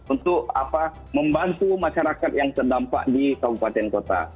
untuk membantu masyarakat yang terdampak di kabupaten kota